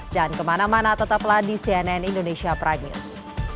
kemana mana tetaplah di cnn indonesia prime news